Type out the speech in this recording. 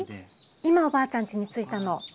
今おばあちゃんちについたの。